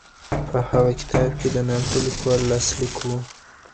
په هغه کتاب کې د نامتو لیکوال لاسلیک و.